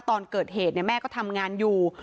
ตอนเกิดเหตุแม่ก็ทำงานอยู่